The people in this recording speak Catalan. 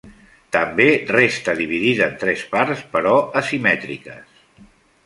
També resta dividida en tres parts, però asimètriques.